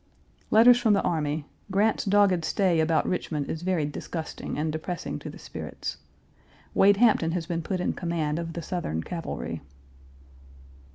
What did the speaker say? Letters from the army. Grant's dogged stay about Richmond is very disgusting, and depressing to the spirits. Wade Hampton has been put in command of the Southern cavalry.